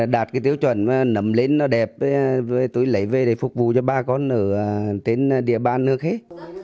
đạt cái tiêu chuẩn nấm lên nó đẹp tôi lấy về để phục vụ cho ba con ở đến địa bàn nước hết